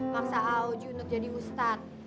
maksa auju untuk jadi ustadz